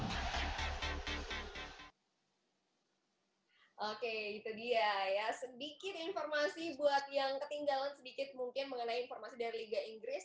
dan juga diberikan kehadiran tiga tim baru yang terakhir adalah di tiga inggris